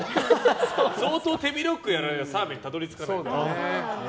相当、手広くやらないと澤部にたどり着かない。